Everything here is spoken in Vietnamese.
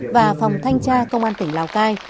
và phòng thanh tra công an tỉnh lào cai